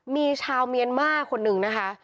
มีชาวเมียนมาขนนึงนะคะ